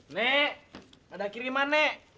nek ada kiriman nek